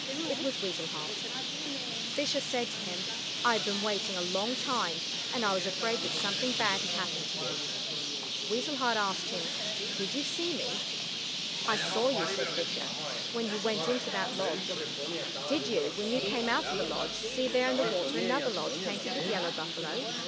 It was Weasel Heart. Fisher said to him, "I have been waiting a long time, and I was afraid that something bad had happened to you." Weasel Heart asked him, "Did you see me?" "I saw you," said Fisher, "when you went into that lodge. Did you, when you came out of the lodge, see there in the water another lodge painted with yellow buffalo?